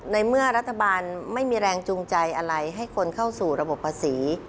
ในเมื่อรัฐบาลไม่มีแรงจูงใจอะไรให้คนเข้าสู่ระบบภาษี